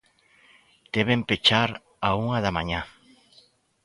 Deben pechar á unha da mañá.